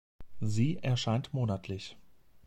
Sie erscheint monatlich.